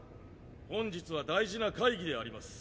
本日は大事な会議であります。